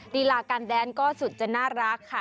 ลีลาการแดนก็สุดจะน่ารักค่ะ